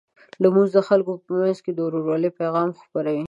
لمونځ د خلکو په منځ کې د ورورولۍ پیغام خپروي.